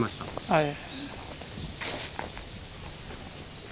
はい。